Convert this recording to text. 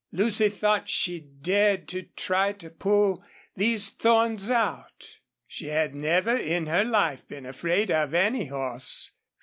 Lucy thought she dared to try to pull these thorns out. She had never in her life been afraid of any horse.